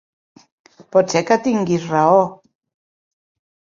Pot ser que tinguis raó.